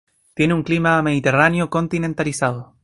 Tiene un clima mediterráneo continentalizado.